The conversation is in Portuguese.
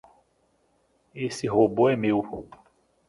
Esse robô é meu.